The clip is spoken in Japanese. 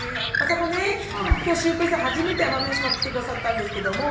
今日シュウペイさん初めて奄美大島来てくださったんですけども。